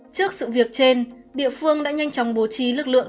trước sự việc trên địa phương đã nhanh chóng bố trí lực lượng